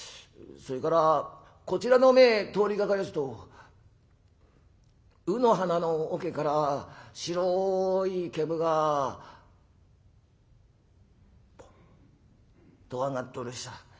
それからこちらの前通りがかりやすと卯の花の桶から白い煙がポッと上がっておりやした。